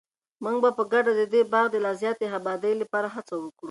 موږ به په ګډه د دې باغ د لا زیاتې ابادۍ لپاره هڅه وکړو.